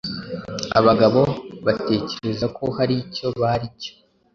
Abagabo batekereza ko hari icyo bari cyo.